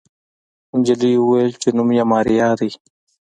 نجلۍ وويل چې نوم يې ماريا دی.